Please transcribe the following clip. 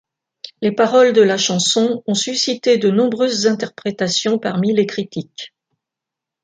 Les paroles de la chanson ont suscité de nombreuses interprétations parmi les critiques.